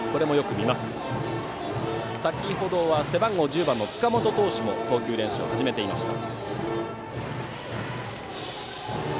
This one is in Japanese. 先程は背番号１０番の塚本投手も投球練習を始めていました。